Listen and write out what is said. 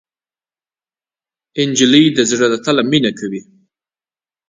نجلۍ د زړه له تله مینه کوي.